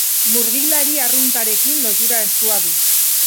Murgilari arruntarekin lotura estua du.